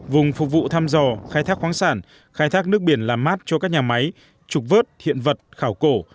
vùng phục vụ thăm dò khai thác khoáng sản khai thác nước biển làm mát cho các nhà máy trục vớt hiện vật khảo cổ